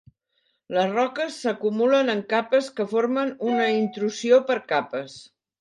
Les roques s'acumulen en capes que formen una intrusió per capes.